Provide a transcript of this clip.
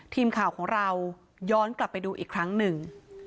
ทีมข่าวของเราย้อนกลับไปดูอีกครั้งหนึ่ง